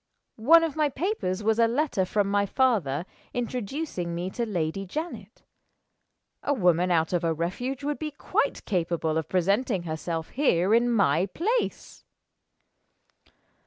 One of my papers was a letter from my father, introducing me to Lady Janet. A woman out of a refuge would be quite capable of presenting herself here in my place."